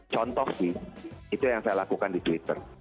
contoh sih itu yang saya lakukan di twitter